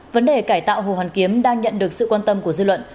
vấn đề cải tạo hồ hoàn kiếm đang nhận được sự quan tâm của dư luận